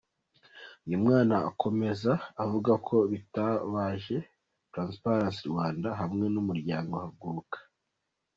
Uyu mwana akomeza avuga ko bitabaje Transparency Rwanda, hamwe n’umuryango Haguruka.